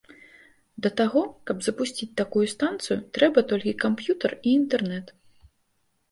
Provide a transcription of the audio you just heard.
Для таго, каб запусціць такую станцыю трэба толькі камп'ютар і інтэрнэт.